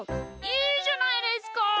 いいじゃないですか。